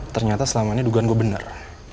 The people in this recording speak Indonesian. ternyata selama ini dugaan gue benar